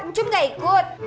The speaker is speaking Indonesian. ncum gak ikut